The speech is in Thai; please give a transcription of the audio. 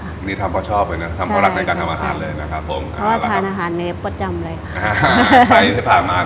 วันนี้ทำเพราะชอบเลยเนี่ยทำเพราะรักในการทำอาหารเลยนะครับผม